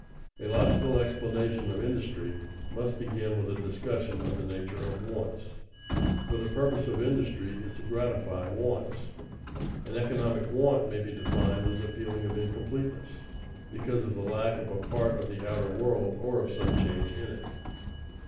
_A logical explanation of industry must begin with a discussion of the nature of wants, for the purpose of industry is to gratify wants._ An economic want may be defined as a feeling of incompleteness, because of the lack of a part of the outer world or of some change in it.